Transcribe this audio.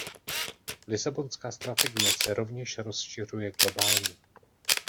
Lisabonská strategie se rovněž rozšiřuje globálně.